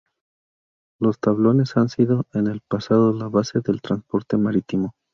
Los tablones han sido en el pasado, la base del transporte marítimo.